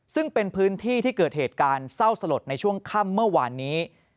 ซึ่งเป็นพื้นที่ที่เกิดเหตุการณ์เศร้าสลดในช่วงค่ำเมื่อวานนี้